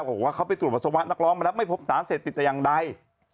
บอกว่าเขาไปตรวจสวรรค์นักร้องมาแล้วไม่พบสารเสร็จแต่ยังใด